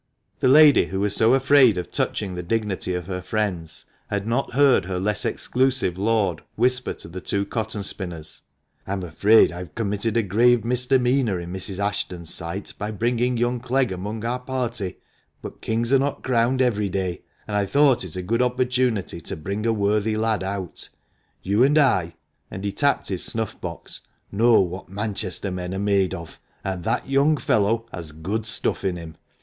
The lady, who was so afraid of touching the dignity of her friends, had not heard her less exclusive lord whisper to the two cotton spinners, " I'm afraid I've committed a grave misdemeanour in Mrs. Ashton's sight by bringing young Clegg among our party ; but kings are net crowned every day, and I thought it a good opportunity to bring a worthy lad out. You and I" — and he tapped his snuff box — "know what Manchester men are made of, and that young fellow has good stuff in him